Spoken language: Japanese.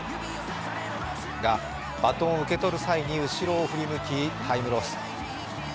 が、バトンを受け取る際に後ろを振り向きタイムロス。